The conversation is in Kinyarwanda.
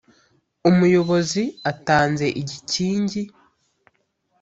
umuyobozi atanze igikingi